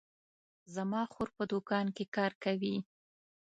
زما خور په دوکان کې کار کوي